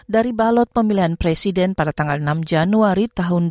dari balot pemilihan presiden pada tanggal enam januari dua ribu sembilan belas